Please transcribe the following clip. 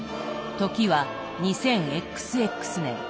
時は２０ＸＸ年。